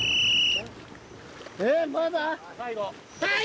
ええまだ？